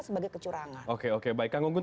sebagai kecurangan oke oke baik kang gunggun